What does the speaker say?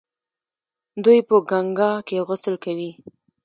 دوی په ګنګا کې غسل کوي.